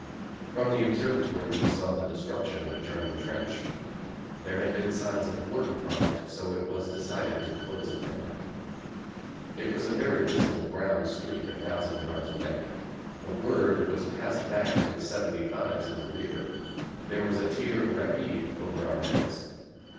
From the Observatory we saw the destruction of a German trench. There had been signs of work upon it, so it was decided to close it down. It was a very visible brown streak a thousand yards away. The word was passed back to the '75's' in the rear. There was a 'tir rapide' over our heads.